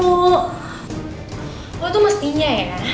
lo tuh mestinya ya